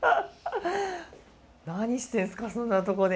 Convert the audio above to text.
何してんすかそんなとこで。